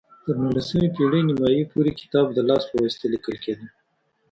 تر نولسمې پېړۍ نیمايي پورې کتاب د لاس په واسطه لیکل کېده.